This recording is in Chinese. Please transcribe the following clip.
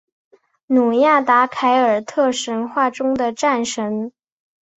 努亚达凯尔特神话中的战神。